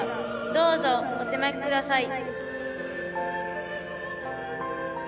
どうぞお手播きください。